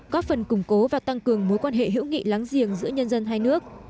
góp phần củng cố và tăng cường mối quan hệ hữu nghị láng giềng giữa nhân dân hai nước